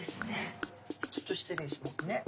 ちょっと失礼しますね。